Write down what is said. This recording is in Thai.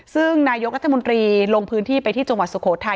ซึ่งนายกรัฐมนตรีลงพื้นที่ไปที่จังหวัดสุโขทัย